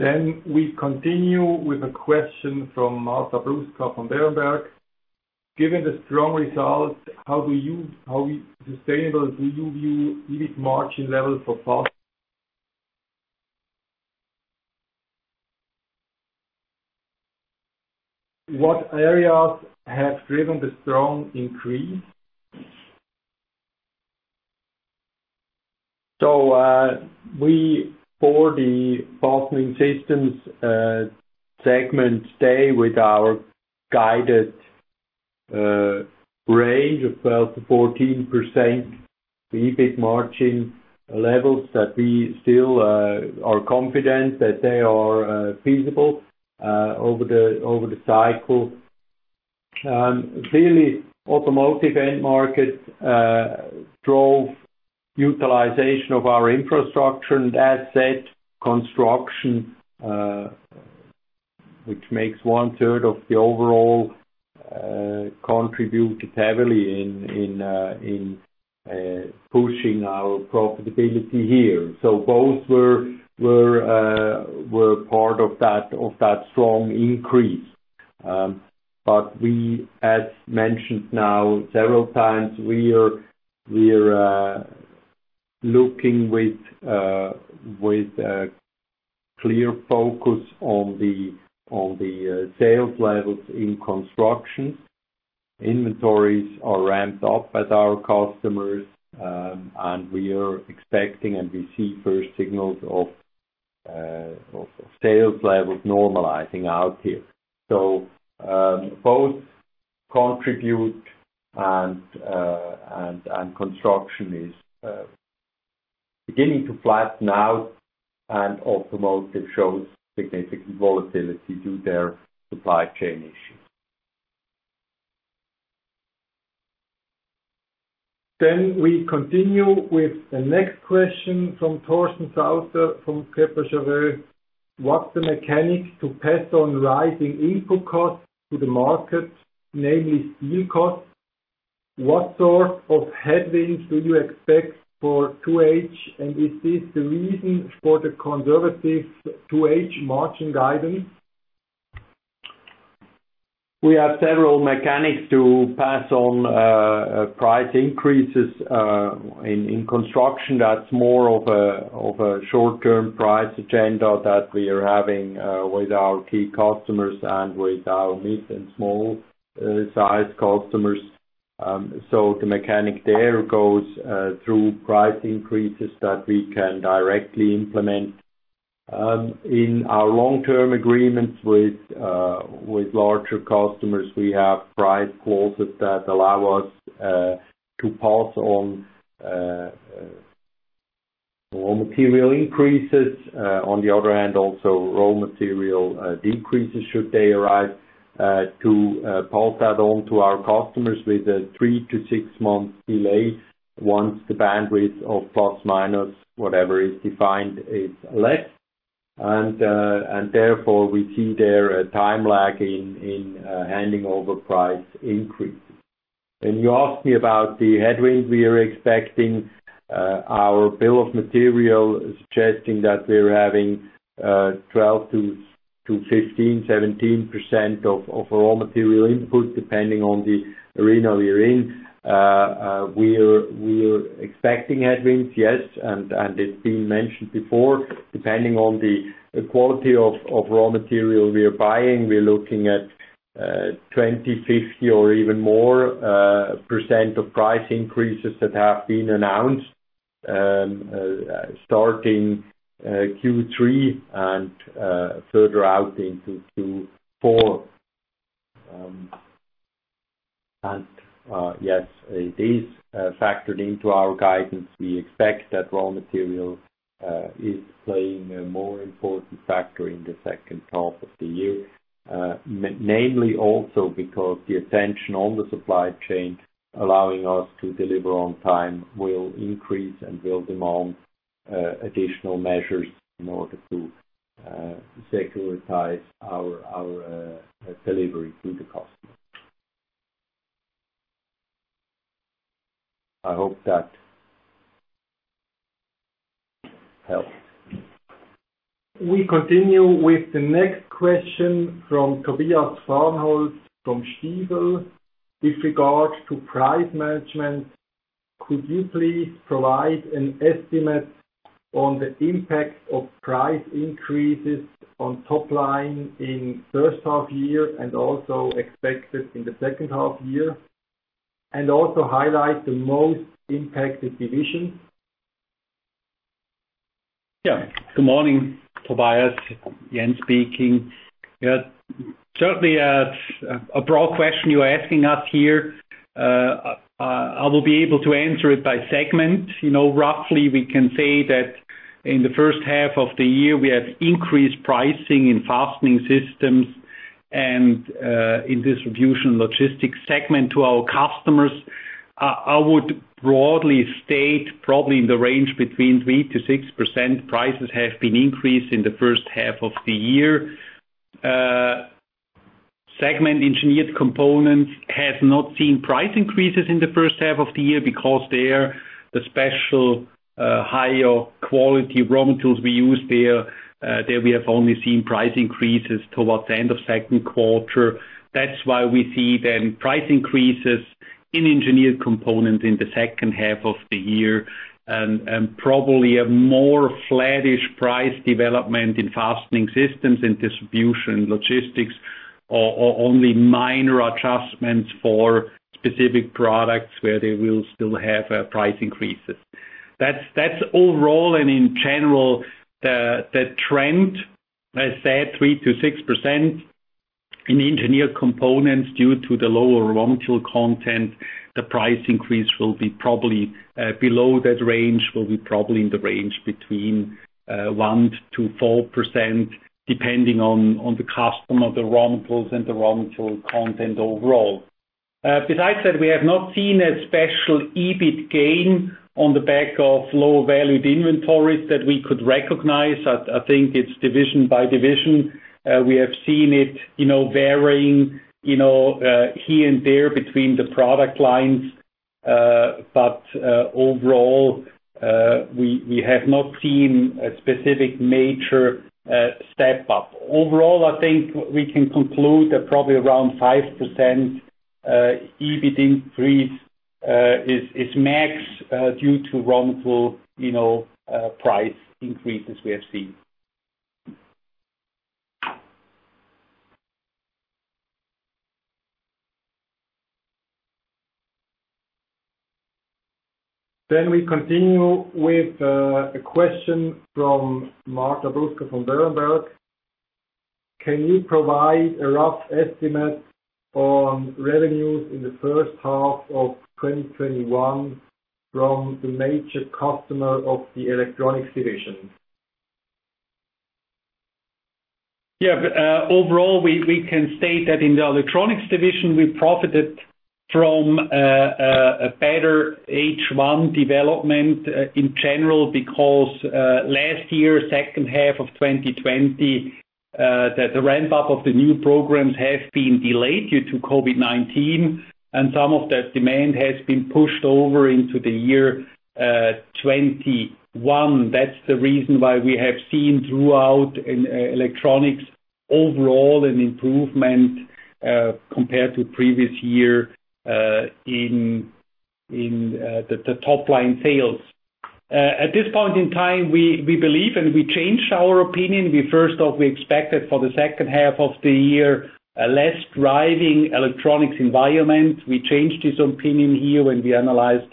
We continue with a question from Marta Bruska from Berenberg. Given the strong results, how sustainable do you view EBIT margin levels for Fastening? What areas have driven the strong increase? We, for the Fastening Systems Segment, stay with our guided range of 12%-14% EBIT margin levels that we still are confident that they are feasible over the cycle. Really, automotive end market drove utilization of our infrastructure and asset construction, which makes one third of the overall contribute heavily in pushing our profitability here. Those were part of that strong increase. We, as mentioned now several times, we are looking with a clear focus on the sales levels in construction. Of sales levels normalizing out here. Both contribute and construction is beginning to flatten out, and automotive shows significant volatility due to their supply chain issues. We continue with the next question from Torsten Sauter from Credit Suisse. What's the mechanic to pass on rising input costs to the market, namely steel costs? What sort of headwinds do you expect for 2H, and is this the reason for the conservative 2H margin guidance? We have several mechanics to pass on price increases. In construction, that's more of a short-term price agenda that we are having with our key customers and with our mid and small-sized customers. The mechanic there goes through price increases that we can directly implement. In our long-term agreements with larger customers, we have price clauses that allow us to pass on raw material increases. On the other hand, also raw material decreases should they arise, to pass that on to our customers with a three to six-month delay once the bandwidth of plus, minus, whatever is defined is less. Therefore we see there a time lag in handing over price increases. You asked me about the headwinds we are expecting. Our bill of material is suggesting that we're having 12%-15%, 17% of raw material input depending on the arena we are in. We're expecting headwinds, yes, it's been mentioned before, depending on the quality of raw material we are buying, we're looking at 20, 50 or even more % of price increases that have been announced, starting Q3 and further out into Q4. Yes, it is factored into our guidance. We expect that raw material is playing a more important factor in the second half of the year. Namely also because the attention on the supply chain allowing us to deliver on time will increase and will demand additional measures in order to securitize our delivery to the customer. I hope that helps. We continue with the next question from Tobias Fahrenholz from Stifel. With regard to price management, could you please provide an estimate on the impact of price increases on top line in first half year and also expected in the second half year, and also highlight the most impacted division? Yeah. Good morning, Tobias. Jens speaking. Certainly, a broad question you're asking us here. I will be able to answer it by segment. Roughly, we can say that in the first half of the year, we have increased pricing in Fastening Systems and in Distribution & Logistics segment to our customers. I would broadly state probably in the range between 3%-6% prices have been increased in the first half of the year. Segment Engineered Components has not seen price increases in the first half of the year because there, the special, higher quality raw materials we use there, we have only seen price increases towards the end of second quarter. That's why we see price increases in engineered components in the second half of the year and probably a more flattish price development in fastening systems and distribution logistics or only minor adjustments for specific products where they will still have price increases. That's overall and in general, the trend, as I said, 3%-6%. In engineered components due to the lower raw material content, the price increase will be probably below that range, will be probably in the range between 1%-4%, depending on the customer, the raw materials, and the raw material content overall. Besides that, we have not seen a special EBIT gain on the back of low valued inventories that we could recognize. I think it's division by division. We have seen it varying here and there between the product lines. Overall, we have not seen a specific major step up. Overall, I think we can conclude that probably around 5% EBIT increase is max, due to raw material price increases we have seen. We continue with a question from Marta Bruska from Berenberg. Can you provide a rough estimate on revenues in H1 2021 from the major customer of the electronics division? Overall, we can state that in the electronics division, we profited from a better H1 development in general, because last year, second half of 2020, the ramp-up of the new programs have been delayed due to COVID-19, and some of that demand has been pushed over into the year 2021. That's the reason why we have seen throughout, in electronics overall, an improvement compared to previous year in the top-line sales. At this point in time, we believe, and we changed our opinion. First off, we expected for the second half of the year, a less driving electronics environment. We changed this opinion here when we analyzed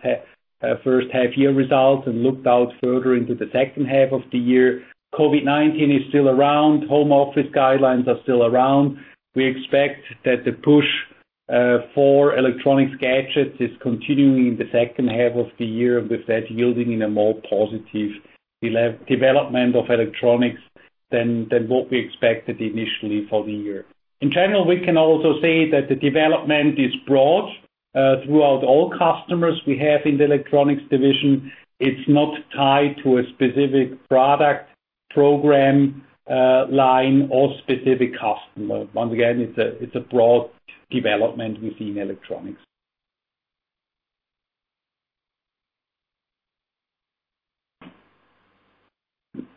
first half-year results and looked out further into the second half of the year. COVID-19 is still around. Home office guidelines are still around. We expect that the push for electronics gadgets is continuing in the second half of the year, with that yielding in a more positive development of electronics than what we expected initially for the year. In general, we can also say that the development is broad throughout all customers we have in the electronics division. It is not tied to a specific product, program line, or specific customer. Once again, it is a broad development we see in electronics.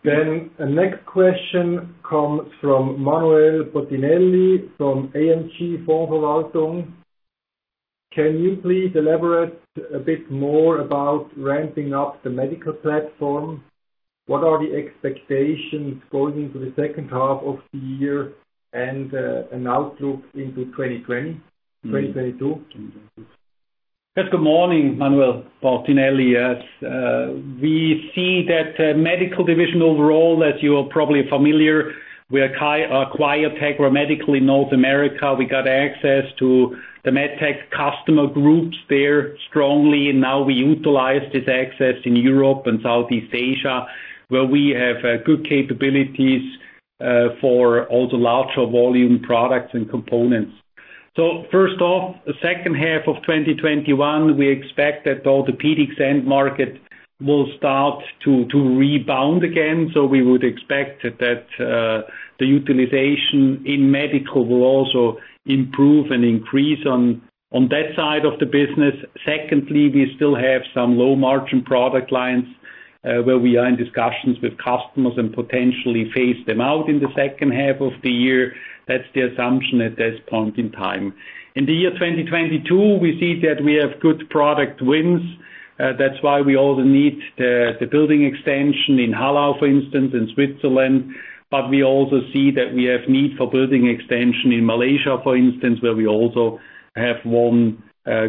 The next question comes from Manuel Portinelli from AMG Fondsverwaltung. Can you please elaborate a bit more about ramping up the medical platform? What are the expectations going into the second half of the year and an outlook into 2022? Yes. Good morning, Manuel Portinelli. As we see that medical division overall, as you are probably familiar, we acquired Tegra Medical in North America. We got access to the MedTech customer groups there strongly. Now we utilize this access in Europe and Southeast Asia, where we have good capabilities for all the larger volume products and components. First off, the second half of 2021, we expect that the orthopedics end market will start to rebound again. We would expect that the utilization in medical will also improve and increase on that side of the business. Secondly, we still have some low-margin product lines, where we are in discussions with customers and potentially phase them out in the second half of the year. That's the assumption at this point in time. In the year 2022, we see that we have good product wins. That's why we also need the building extension in Hallau, for instance, in Switzerland. We also see that we have need for building extension in Malaysia, for instance, where we also have won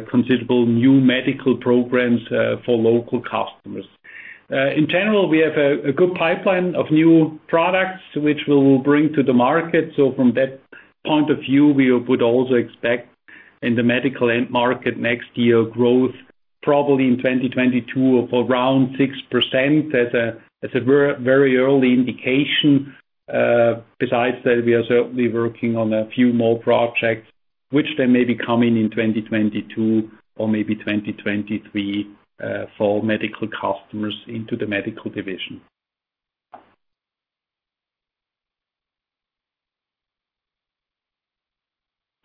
considerable new medical programs for local customers. In general, we have a good pipeline of new products which we'll bring to the market. From that point of view, we would also expect in the medical end market next year, growth probably in 2022 of around 6%. That's a very early indication. Besides that, we are certainly working on a few more projects, which then may be coming in 2022 or maybe 2023, for medical customers into the medical division.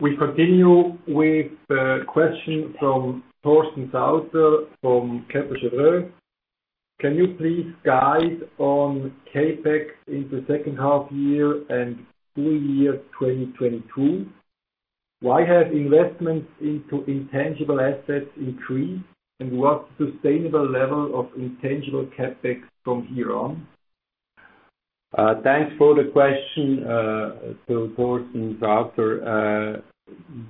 We continue with a question from Torsten Sauter from Kepler Cheuvreux. Can you please guide on CapEx in the second half year and full year 2022? Why have investments into intangible assets increased, and what's the sustainable level of intangible CapEx from here on? Thanks for the question, Torsten Sauter.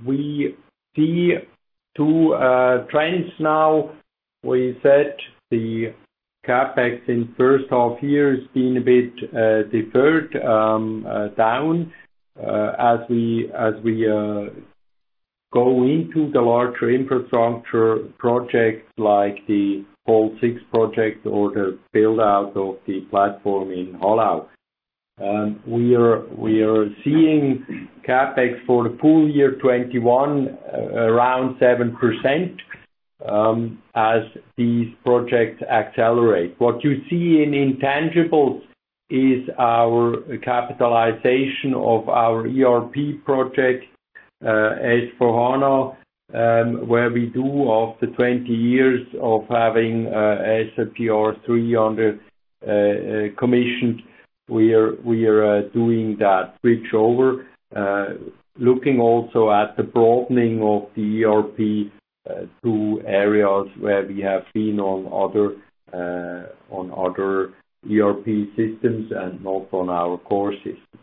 We see two trends now, where you said the CapEx in the first half year has been a bit deferred down. As we go into the larger infrastructure projects like the Hall 6 projects or the build-out of the platform in Hallau. We are seeing CapEx for the full year 2021 around 7% as these projects accelerate. What you see in intangibles is our capitalization of our ERP project, S/4HANA, where we do after 20 years of having SAP R/3 under commission. We are doing that bridge over, looking also at the broadening of the ERP to areas where we have been on other ERP systems and not on our core system.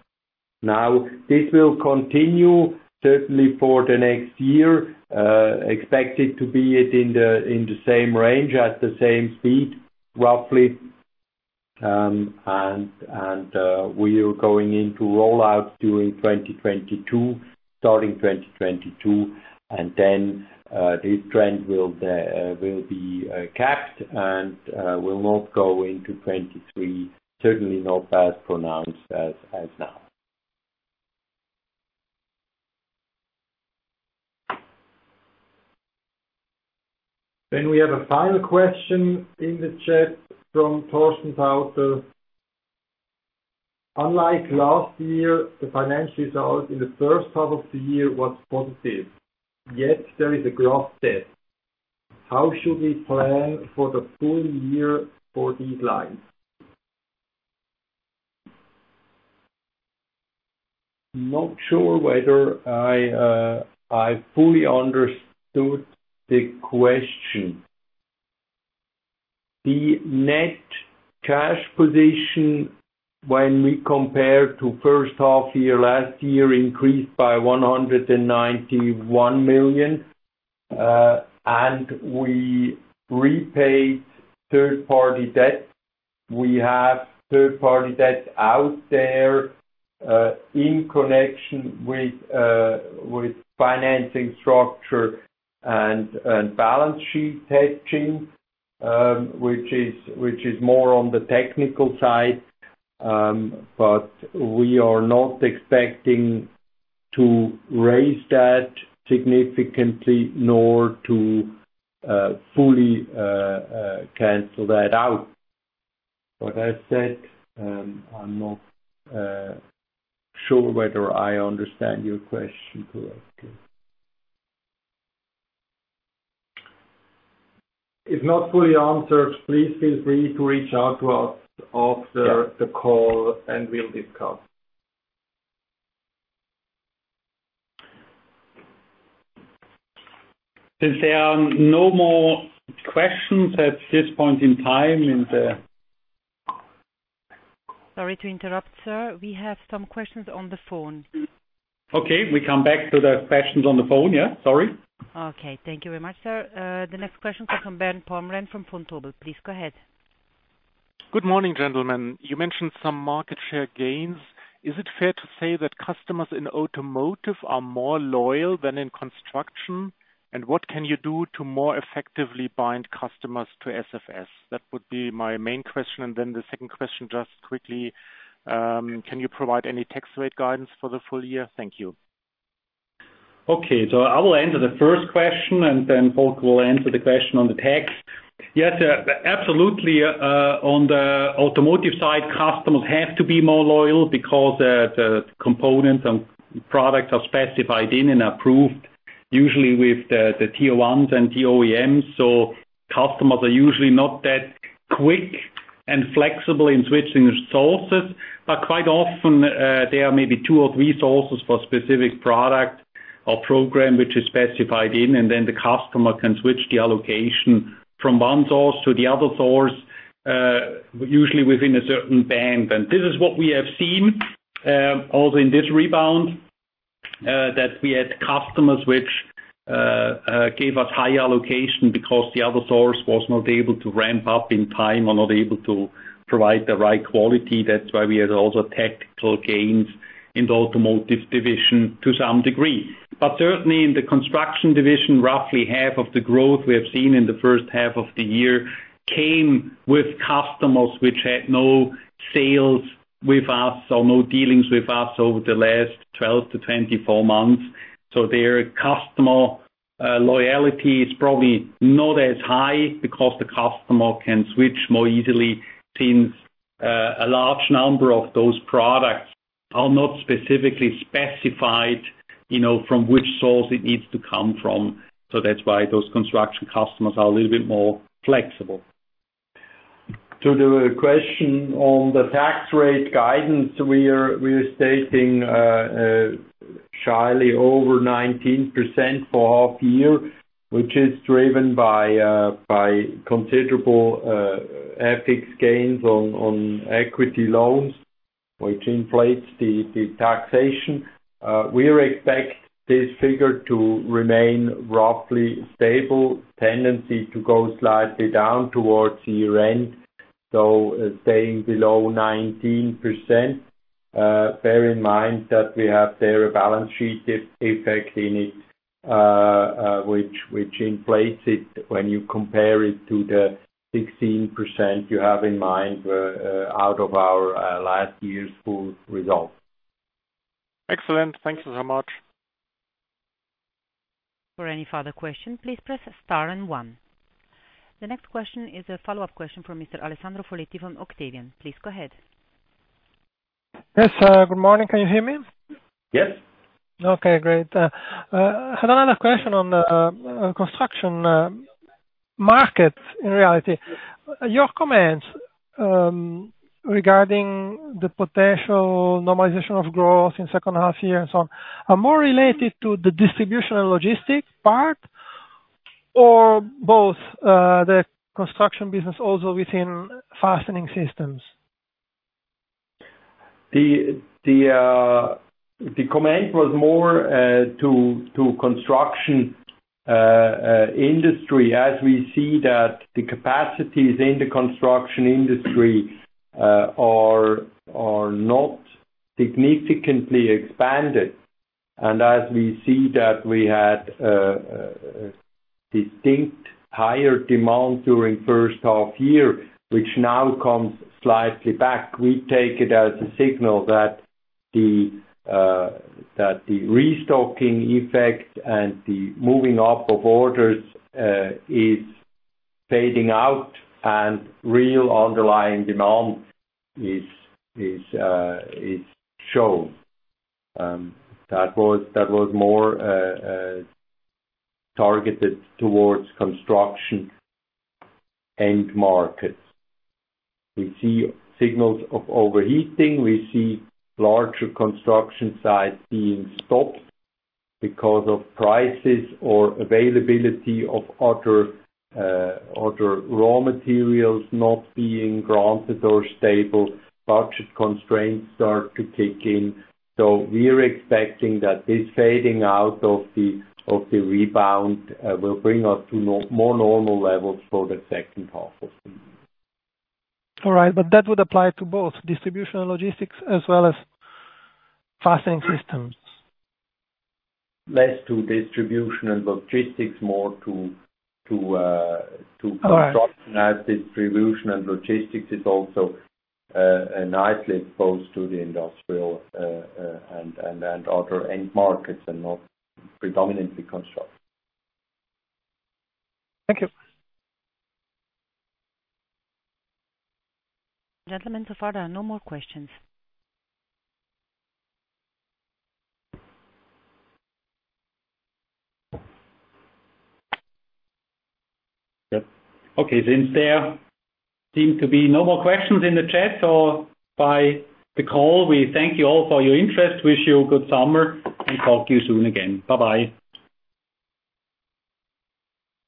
Now, this will continue certainly for the next year, expect it to be in the same range at the same speed, roughly. We are going into rollout during 2022, starting 2022, and then this trend will be capped and will not go into 2023, certainly not as pronounced as now. We have a final question in the chat from Torsten Sauter. Unlike last year, the financial result in the first half of the year was positive. Yet, there is a gross debt. How should we plan for the full year for these lines? Not sure whether I fully understood the question. The net cash position when we compare to first half year last year increased by 191 million. We repaid third-party debt. We have third-party debt out there, in connection with financing structure and balance sheet hedging, which is more on the technical side. We are not expecting to raise that significantly nor to fully cancel that out. As said, I'm not sure whether I understand your question correctly. If not fully answered, please feel free to reach out to us after the call, and we'll discuss. There are no more questions at this point in time. Sorry to interrupt, sir. We have some questions on the phone. Okay. We come back to the questions on the phone, yeah. Sorry. Okay. Thank you very much, sir. The next question comes from Bernd Pomrehn from Vontobel. Please go ahead. Good morning, gentlemen. You mentioned some market share gains. Is it fair to say that customers in automotive are more loyal than in construction? What can you do to more effectively bind customers to SFS? That would be my main question. The second question, just quickly, can you provide any tax rate guidance for the full year? Thank you. Okay. I will answer the first question, and then Volker will answer the question on the tax. Yes. Absolutely, on the automotive side, customers have to be more loyal because the components and products are specified in and approved, usually with the tier 1s and tier OEMs. Customers are usually not that quick and flexible in switching sources, but quite often, there are maybe two or three sources for a specific product or program which is specified in, and then the customer can switch the allocation from one source to the other source, usually within a certain band. This is what we have seen, also in this rebound, that we had customers which gave us high allocation because the other source was not able to ramp up in time or not able to provide the right quality. That's why we had also tactical gains in the automotive division to some degree. Certainly in the construction division, roughly half of the growth we have seen in the first half of the year came with customers which had no sales with us or no dealings with us over the last 12 to 24 months. Their customer loyalty is probably not as high because the customer can switch more easily, since a large number of those products are not specifically specified, from which source it needs to come from. That's why those construction customers are a little bit more flexible. To the question on the tax rate guidance, we are stating slightly over 19% for half year, which is driven by considerable FX gains on equity loans, which inflates the taxation. We expect this figure to remain roughly stable, tendency to go slightly down towards year-end, so staying below 19%. Bear in mind that we have there a balance sheet effect in it, which inflates it when you compare it to the 16% you have in mind out of our last year's full result. Excellent. Thank you so much. For any further question, please press star and one. The next question is a follow-up question from Mr. Alessandro Foletti from Octavian. Please go ahead. Yes. Good morning. Can you hear me? Yes. Okay, great. Had another question on the construction market, in reality. Your comments regarding the potential normalization of growth in second half year and so on are more related to the distribution and logistics part, or both, the construction business also within fastening systems? The comment was more to construction industry, as we see that the capacities in the construction industry are not significantly expanded, and as we see that we had a distinct higher demand during first half-year, which now comes slightly back. We take it as a signal that the restocking effect and the moving up of orders is fading out and real underlying demand is shown. That was more targeted towards construction end markets. We see signals of overheating. We see larger construction sites being stopped because of prices or availability of other raw materials not being granted or stable. Budget constraints start to kick in. We are expecting that this fading out of the rebound will bring us to more normal levels for the second half-year. All right. That would apply to both distribution and logistics as well as fastening systems? Less to distribution and logistics. All right. Construction. As distribution and logistics is also nicely exposed to the industrial and other end markets and not predominantly construction. Thank you. Gentlemen, so far there are no more questions. Yep. Okay. Since there seem to be no more questions in the chat or by the call, we thank you all for your interest. Wish you a good summer, talk to you soon again. Bye-bye.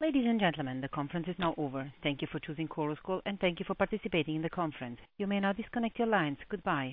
Ladies and gentlemen, the conference is now over. Thank you for choosing Chorus Call, and thank you for participating in the conference. You may now disconnect your lines. Goodbye.